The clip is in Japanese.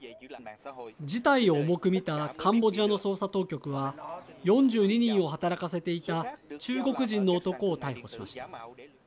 事態を重く見たカンボジアの捜査当局は４２人を働かせていた中国人の男を逮捕しました。